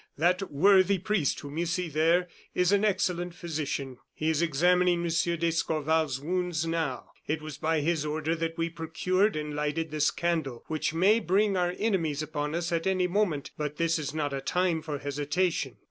That worthy priest whom you see there, is an excellent physician. He is examining Monsieur d'Escorval's wounds now. It was by his order that we procured and lighted this candle, which may bring our enemies upon us at any moment; but this is not a time for hesitation."